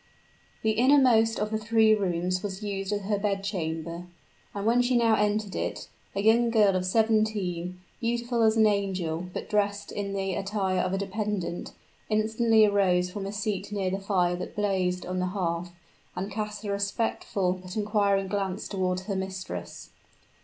The innermost of the three rooms was used as her bed chamber, and when she now entered it, a young girl of seventeen, beautiful as an angel, but dressed in the attire of a dependent, instantly arose from a seat near the fire that blazed on the hearth, and cast a respectful but inquiring glance toward her mistress.